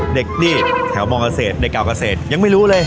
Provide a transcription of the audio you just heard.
เด็กนี่แถวมเกษตรเด็กเก่าเกษตรยังไม่รู้เลย